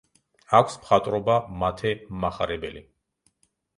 აქვს მხატვრობა მათე მახარებელი.